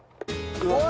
うわ！